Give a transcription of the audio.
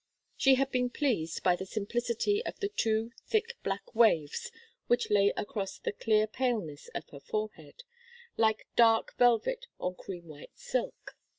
She had been pleased by the simplicity of the two thick, black waves which lay across the clear paleness of her forehead, like dark velvet on cream white silk.